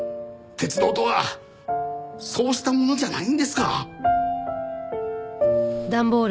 鉄道とはそうしたものじゃないんですか？